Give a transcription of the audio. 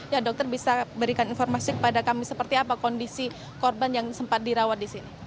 ya dokter bisa berikan informasi kepada kami seperti apa kondisi korban yang sempat dirawat di sini